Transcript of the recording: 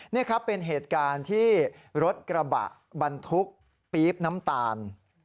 นี่ครับเป็นเหตุการณ์ที่รถกระบะบรรทุกปี๊บน้ำตาล